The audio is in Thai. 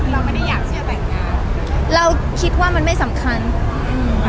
เราไม่ได้อยากที่จะแต่งงานเราคิดว่ามันไม่สำคัญอืม